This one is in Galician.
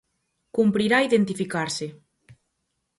Cumprirá identificarse.